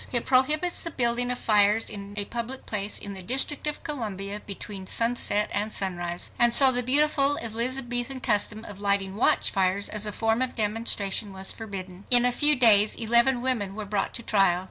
It prohibits the building of fires in a public place in the District of Columbia between sunset and sunrise. And so the beautiful Elizabethan custom of lighting watchfires as a form of demonstration was forbidden! In a few days eleven women were brought to trial.